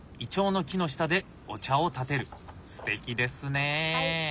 すてきですね。